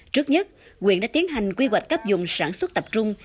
trước nhất quyền đã tiến hành quy hoạch cấp dùng sản xuất tập trung